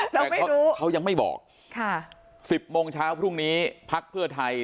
เราไม่รู้เขายังไม่บอกค่ะสิบโมงเช้าพรุ่งนี้พลักเพื่อไทย